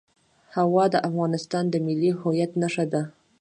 هوا د افغانستان د ملي هویت نښه ده.